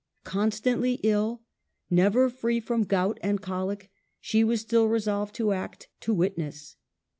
Constantly ill, never free from gout and colic, she was still resolved to act, to witness.